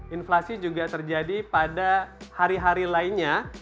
inflasi juga terjadi pada hari hari lainnya